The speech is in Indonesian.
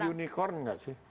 ahy tau unicorn gak sih